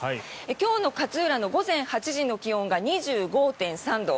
今日の勝浦の午前８時の気温が２５．３度。